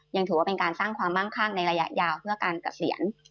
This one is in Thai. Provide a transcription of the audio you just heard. ยังถือว่าเป็นการสร้างความมั่งข้างในระยะยาวเพื่อการเกษียณ